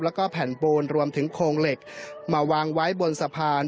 แล้วก็แผ่นปูนรวมถึงโครงเหล็กมาวางไว้บนสะพาน